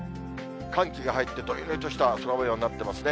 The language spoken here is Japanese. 寒気が入って、どんよりとした空もようになっていますね。